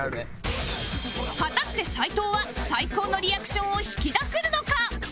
果たして齊藤は最高のリアクションを引き出せるのか？